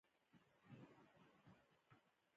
که د یو څه پوهېدلو لپاره هڅه ونه کړئ.